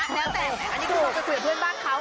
แล้วแต่อันนี้คือไปคุยกับเพื่อนบ้านเขา